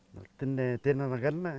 berarti tidak terlalu banyak